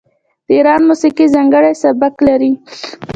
د ایران موسیقي ځانګړی سبک لري.